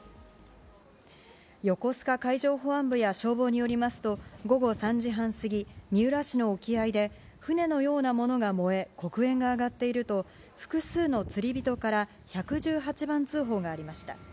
横須賀海上保安部や消防によりますと、午後３時半過ぎ、三浦市の沖合で、船のようなものが燃え、黒煙が上がっていると、複数の釣り人から１１８番通報がありました。